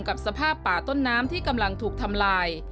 กับสภาพป่าต้นน้ำที่กำลังถูกทำลาย